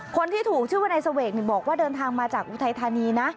คนที่ถูกชื่อว่านายเสวกบอกว่าเดินทางมาจากอุทัยธานีนะ